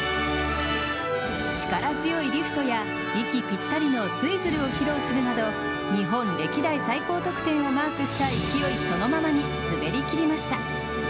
力強いリフトや息ぴったりのツイズルを披露するなど日本歴代最高得点をマークした勢いそのままに滑りきりました。